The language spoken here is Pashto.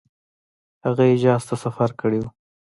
هغه حجاز ته سفر کړی وو.